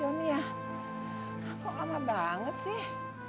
ini ya kok lama banget sih